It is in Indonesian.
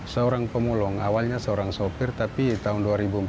seorang pemulung awalnya seorang sopir tapi tahun dua ribu empat belas